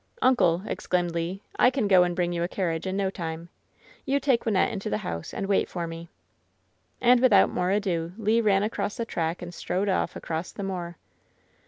"Uncle !" exclaimed Le, "I can go and bring you a 196 LOVE'S BITTEREST CUP carriage in no time. You take Wjnnette into the house and wait for me.'' And without more ado Le ran across the tTsuck and strode off across the moor.